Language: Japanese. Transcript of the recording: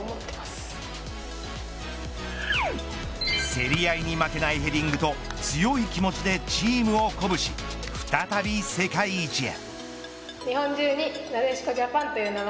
競り合いに負けないヘディングと強い気持ちでチームを鼓舞し再び世界一へ。